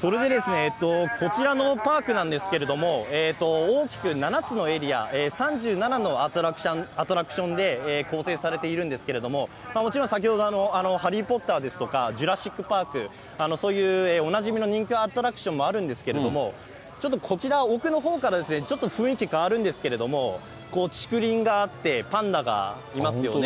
それで、こちらのパークなんですけれども、大きく７つのエリア、３７のアトラクションで構成されているんですけれども、もちろん先ほど、ハリー・ポッターですとかジュラシックパーク、そういうおなじみの人気のアトラクションもあるんですけども、ちょっとこちら、奥のほうからちょっと雰囲気変わるんですけれども、竹林があって、パンダがいますよね。